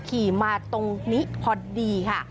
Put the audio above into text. ขี่มาตรงนี้พอดีค่ะ